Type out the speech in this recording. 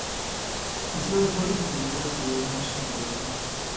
زه هرو مرو داسې يو ماشين غواړم.